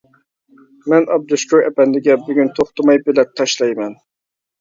مەن ئابدۇشۈكۈر ئەپەندىگە بۈگۈن توختىماي بېلەت تاشلايمەن.